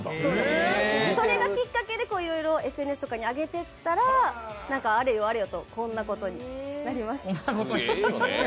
それがきっかけで、ＳＮＳとかで上げていったらあれよあれよと、こんなことになりました。